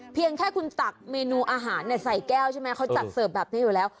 เพียงแค่คุณตักเมนูอาหารใส่แก้วใช่ไหมเขาจัดเสิร์ฟแบบนี้อยู่แล้ว